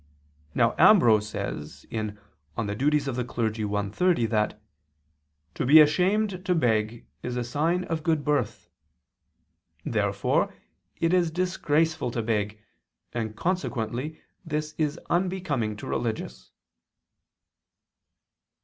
Now Ambrose says (De Offic. i, 30) that "to be ashamed to beg is a sign of good birth." Therefore it is disgraceful to beg: and consequently this is unbecoming to religious.